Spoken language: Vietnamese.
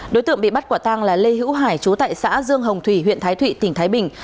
đối tượng bị bắt quả tang là lê hữu hải chú tại xã dương hồng thủy huyện thái thụy tỉnh thái bình